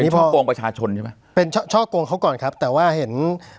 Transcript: ช่อโกงประชาชนใช่ไหมเป็นช่อกงเขาก่อนครับแต่ว่าเห็น